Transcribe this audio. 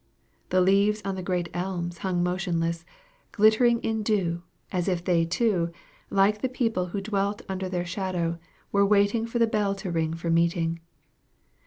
The leaves on the great elms hung motionless, glittering in dew, as if they too, like the people who dwelt under their shadow, were waiting for the bell to ring for meeting.